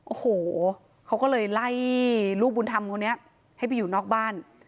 โอ้โหเขาก็เลยไล่ลูกบุญธรรมคนนี้ให้ไปอยู่นอกบ้าน